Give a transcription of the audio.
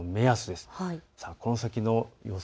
では、この先の予想